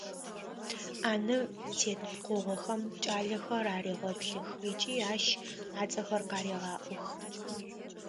Ӏанэм тет пкъыгъохэм кӏалэхэр арегъэплъых ыкӏи ащ ацӏэхэр къарегъаӏох.